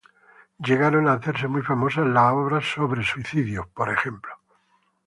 Llegaron a hacerse muy famosas las obras sobre suicidios, por ejemplo.